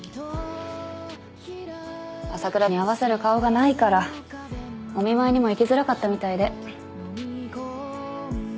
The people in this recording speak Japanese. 朝倉に合わせる顔がないからお見舞いにも行きづらかったみたいで。